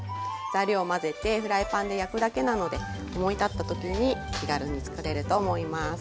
材料を混ぜてフライパンで焼くだけなので思い立った時に気軽に作れると思います。